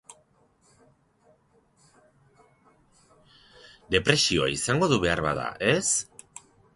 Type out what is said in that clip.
Depresioa izango du beharbada, ez?